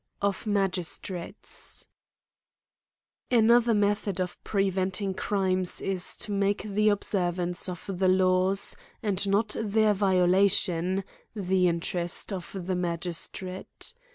Of Magistrates, ANOTHER method of preventing crimes is, to make the observance of the law^s, and not their violation, the interest of the magistrate.